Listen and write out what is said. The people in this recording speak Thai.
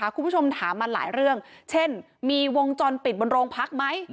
คุณผู้ชมถามมาหลายเรื่องเช่นมีวงจรปิดบนโรงพักไหม